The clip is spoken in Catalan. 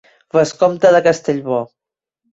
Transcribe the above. Vescomte de Castellbò.